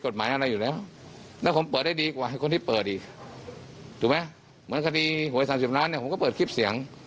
ถูกไหมเหมือนคณีโหยสามสิบน้านผมก็เปิดคลิปเสียง